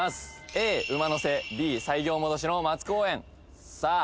Ａ馬の背Ｂ西行戻しの松公園さあ